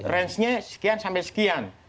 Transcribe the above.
rangenya sekian sampai sekian